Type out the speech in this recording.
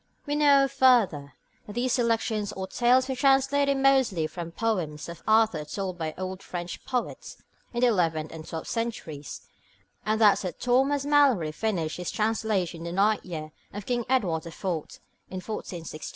We know, further, that these selections or tales were translated mostly from poems about Arthur written by old French poets in the eleventh and twelfth centuries, and that Sir Thomas Malory finished his translation in the ninth year of King Edward the Fourth (1469).